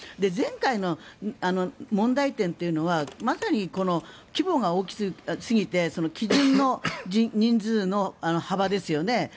前回の問題点というのはまさにこの規模が大きすぎて基準の人数の幅ですよね